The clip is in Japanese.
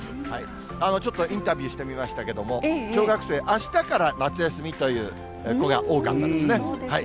ちょっとインタビューしてみましたけども、小学生、あしたから夏休みという子が多かったですね。